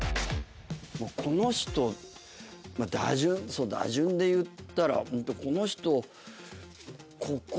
この人まあ打順打順でいったらこの人ここ。